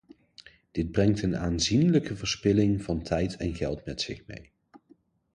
Dit brengt een aanzienlijke verspilling van tijd en geld met zich mee.